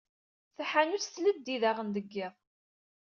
Taḥanut tleddi daɣen deg yiḍ.